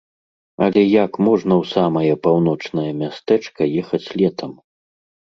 Але як можна ў самае паўночнае мястэчка ехаць летам.?